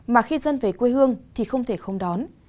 mà khi dân về quê hương thì không thể không đón